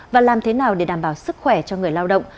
và làm thế nào để đảm bảo sức khỏe cho người lao động